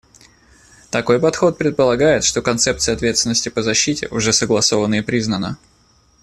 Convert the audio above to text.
Такой подход предполагает, что концепция «ответственности по защите» уже согласована и признана.